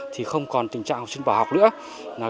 thì không còn tình trạng học sinh bỏ học nữa